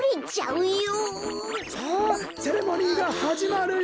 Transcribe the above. さあセレモニーがはじまるよ！